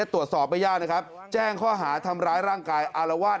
ตรวจสอบไม่ยากนะครับแจ้งข้อหาทำร้ายร่างกายอารวาส